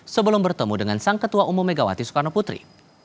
sebelum bertemu dengan sang ketua umum megawati soekarno putri